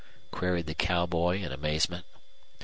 queried the cowboy in amazement.